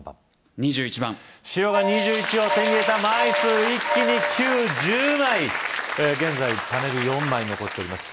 ２１番白が２１を手に入れた枚数一気に９・１０枚現在パネル４枚残っております